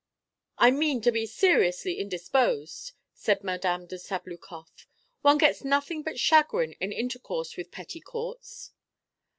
"I mean to be seriously indisposed," said Madame de Sabloukoff; "one gets nothing but chagrin in intercourse with petty Courts."